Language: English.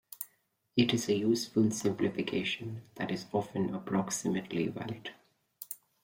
It is a useful simplification that is often approximately valid.